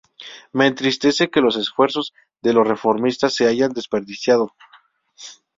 Me entristece que los esfuerzos de los reformistas se hayan desperdiciado".